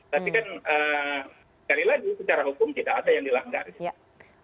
tapi kan sekali lagi secara hukum tidak ada yang dilanggar